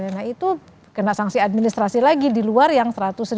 nah itu kena sanksi administrasi lagi di luar yang seratus